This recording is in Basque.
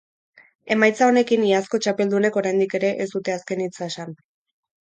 Emaitza honekin iazko txapeldunek oraindik ere ez dute azken hitza esan.